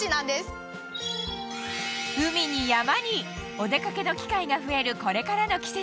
お出かけの機会が増えるこれからの季節